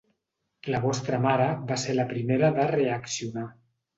La vostra mare va ser la primera de reaccionar.